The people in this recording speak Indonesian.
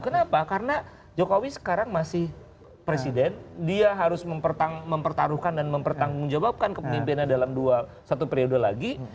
kenapa karena jokowi sekarang masih presiden dia harus mempertaruhkan dan mempertanggung jawabkan kepemimpinan dalam satu periode lagi